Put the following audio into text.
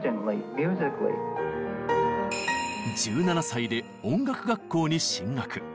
１７歳で音楽学校に進学。